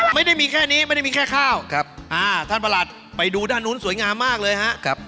มีพื้นที่สักไล่สองไล่ไหมล่ะ